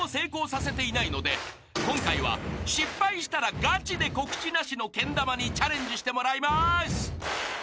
［今回は失敗したらがちで告知なしのけん玉にチャレンジしてもらいます］